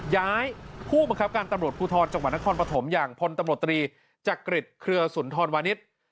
ย้ายผู้บังคับการตำรวจภูทรจังหวัดนครปฐมอย่างพลตำรวจตรีจักริจเครือสุนทรวานิส